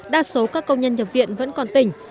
đa số các công nhân nhập viện vẫn còn tỉnh